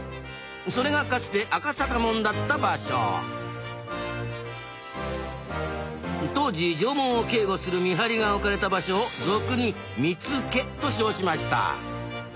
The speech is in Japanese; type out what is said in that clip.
それがかつて「赤坂門」だった場所当時城門を警固する見張りが置かれた場所を俗に「見附」と称しました